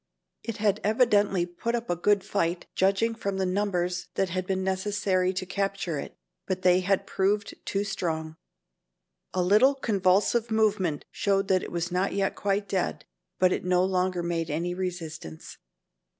It had evidently put up a good fight, judging from the numbers that had been necessary to capture it, but they had proved too strong. A little convulsive movement showed that it was not yet quite dead, but it no longer made any resistance.